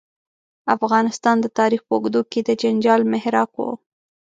افغانستان د تاریخ په اوږدو کې د جنجال محراق و.